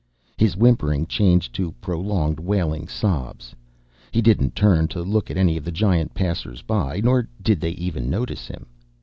His whimpering changed to prolonged wailing sobs. He didn't turn to look at any of the giant passers by nor did they even notice him.